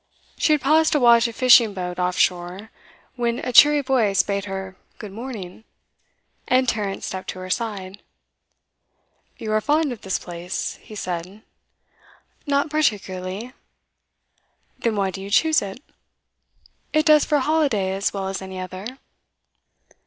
She had paused to watch a fishing boat off shore, when a cheery voice bade her 'good morning,' and Tarrant stepped to her side. 'You are fond of this place,' he said. 'Not particularly.' 'Then why do you choose it?' 'It does for a holiday as well as any other.